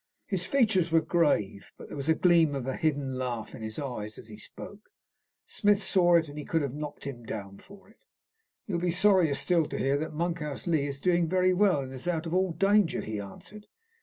His features were grave, but there was the gleam of a hidden laugh in his eyes as he spoke. Smith saw it, and he could have knocked him down for it. "You'll be sorrier still to hear that Monkhouse Lee is doing very well, and is out of all danger," he answered.